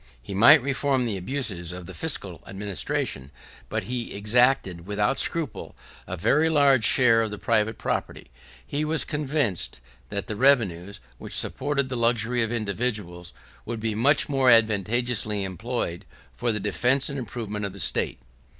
He might reform the abuses of the fiscal administration; but he exacted, without scruple, a very large share of the private property; as he was convinced, that the revenues, which supported the luxury of individuals, would be much more advantageously employed for the defence and improvement of the state.